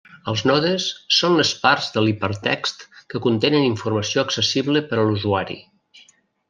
Els nodes són les parts de l'hipertext que contenen informació accessible per a l'usuari.